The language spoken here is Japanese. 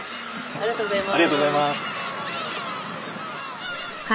ありがとうございます。